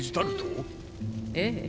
ええ。